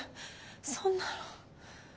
そんなの。